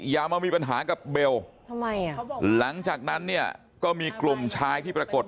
อย่ามามีปัญหากับเบลทำไมอ่ะหลังจากนั้นเนี่ยก็มีกลุ่มชายที่ปรากฏ